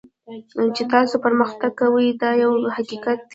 چې تاسو پرمختګ کوئ دا یو حقیقت دی.